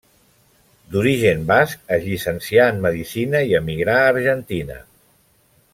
D'origen basc, es llicencià en medicina i emigrà a Argentina.